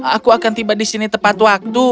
aku akan tiba di sini tepat waktu